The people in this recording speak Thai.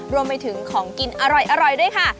รวมไปถึงของกินอร่อยด้วยค่ะ